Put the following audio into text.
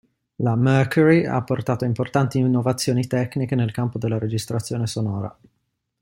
La Mercury ha portato importanti innovazioni tecniche nel campo della registrazione sonora.